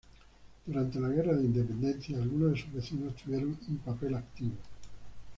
Durante la Guerra de Independencia, algunos de sus vecinos tuvieron un papel activo.